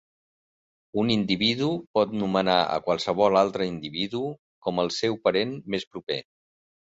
Un individu pot nomenar a qualsevol altre individu com el seu parent més proper.